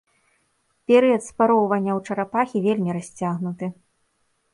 Перыяд спароўвання ў чарапахі вельмі расцягнуты.